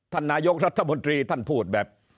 ท่านนายกรัฐมนตรีท่านพูดแบบ